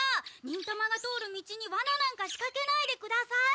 忍たまが通る道にワナなんかしかけないでください！